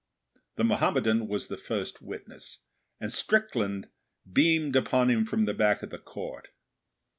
The Mohammedan was the first witness, and Strickland beamed upon him from the back of the Court.